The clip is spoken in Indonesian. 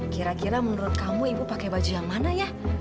kira kira menurut kamu ibu pakai baju yang mana ya